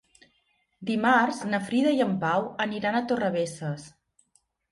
Dimarts na Frida i en Pau aniran a Torrebesses.